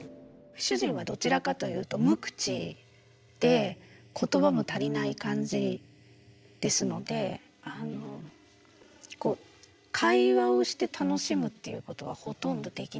主人はどちらかというと無口で言葉も足りない感じですので会話をして楽しむっていうことはほとんどできない。